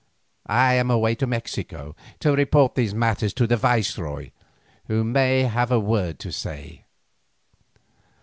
I am away to Mexico to report these matters to the viceroy, who may have a word to say."